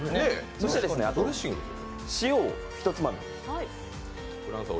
そして、あと塩をひとつまみ。